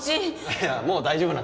いやもう大丈夫なんで。